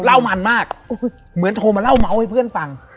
เล่ามันมากเหมือนโทรมาเล่าเมาส์ให้เพื่อนฟัง